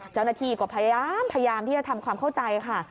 เจ้าหน้าที่ก็พยายามที่จะทำความเข้าใจค่ะ